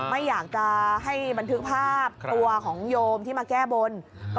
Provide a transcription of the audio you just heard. ไม่อยากจะให้บันทึกภาพตัวของโยมที่มาแก้บน